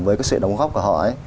với cái sự đóng góp của họ